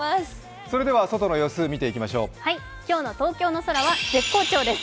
外の様子、見ていきましょう今日の東京の空は絶好調です。